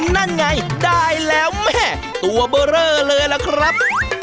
นั่นไงได้แล้วแม่ตัวเบอร์เรอเลยล่ะครับ